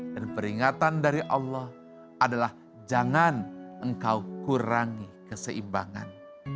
dan peringatan dari allah adalah jangan engkau kurangi keseimbangan